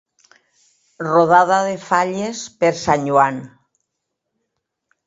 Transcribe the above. Rodada de falles per Sant Joan.